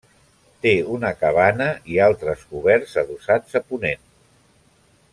Té una cabana i altres coberts adossats a ponent.